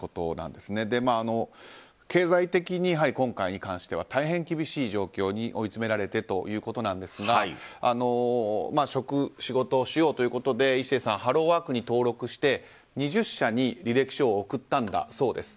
経済的に、今回に関しては大変厳しい状況に追いつめられてということなんですが職、仕事をしようということで壱成さん、ハローワークに登録して、２０社に履歴書を送ったんだそうです。